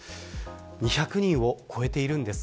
２００人を超えているんです。